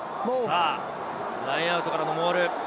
ラインアウトからのモール。